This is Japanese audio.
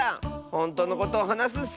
ほんとうのことをはなすッス！